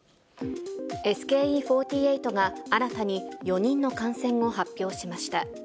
ＳＫＥ４８が、新たに４人の感染を発表しました。